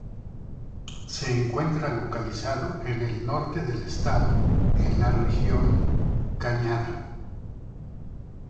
Se encuentra localizado en el norte del estado, en la región Cañada.